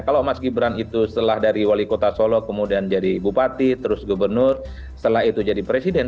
kalau mas gibran itu setelah dari wali kota solo kemudian jadi bupati terus gubernur setelah itu jadi presiden